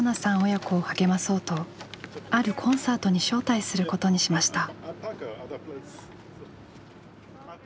親子を励まそうとあるコンサートに招待することにしました。